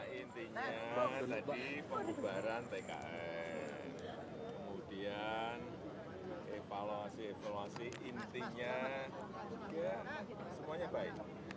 intinya tadi pembubaran tkn kemudian evaluasi evaluasi intinya semuanya baik